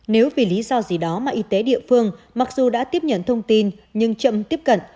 nếu vì lý do gì đó mà y tế địa phương mặc dù đã tiếp nhận thông tin nhưng chậm tiếp cận